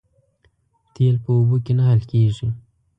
تیل په اوبو کې نه حل کېږي